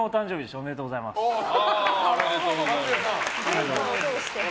おめでとうございます。